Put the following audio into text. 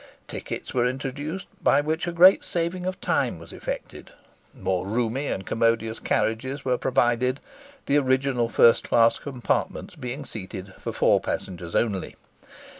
Tickets were introduced, by which a great saving of time was effected. More roomy and commodious carriages were provided, the original first class compartments being seated for four passengers only.